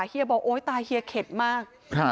เฮียบอกโอ๊ยตายเฮียเข็ดมาก